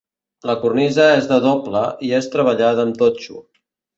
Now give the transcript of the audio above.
La cornisa és de doble i és treballada amb totxo.